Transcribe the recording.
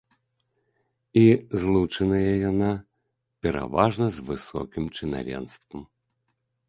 І злучаная яна пераважна з высокім чынавенствам.